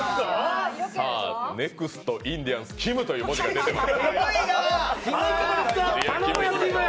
ネクスト、インディアンスきむという文字が出ています。